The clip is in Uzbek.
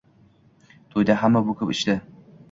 Toʻyda hamma boʻkib ichdi